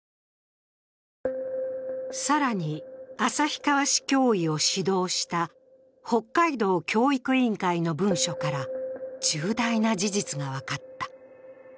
更に、旭川市教委を指導した北海道教育委員会の文書から、重大な事実が分かった。